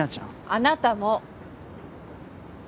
あなたも。